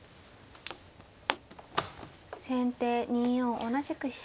先手２四同じく飛車。